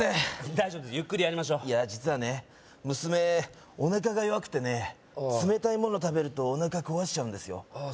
大丈夫ですゆっくりやりましょう実はね娘おなかが弱くてね冷たいもの食べるとおなか壊しちゃうんですよああ